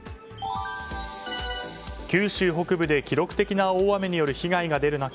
九州北部で記録的な大雨による被害が出る中